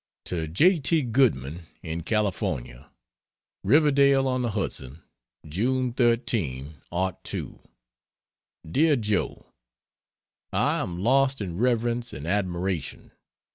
To J. T. Goodman, in California: RIVERDALE ON THE HUDSON, June 13, '02. DEAR JOE, I am lost in reverence and admiration!